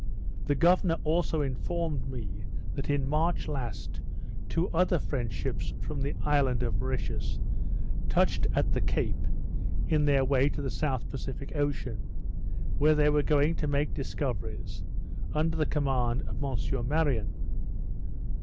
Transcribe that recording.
The governor also informed me, that in March last, two other French ships from the island of Mauritius, touched at the Cape in their way to the South Pacific Ocean; where they were going to make discoveries, under the command of M. Marion.